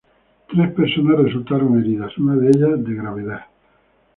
Tres personas resultaron heridas, una de ellas, de gravedad.